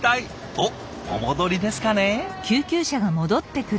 おっお戻りですかね？